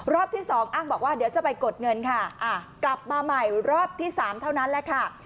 ที่สองอ้างบอกว่าเดี๋ยวจะไปกดเงินค่ะกลับมาใหม่รอบที่๓เท่านั้นแหละค่ะ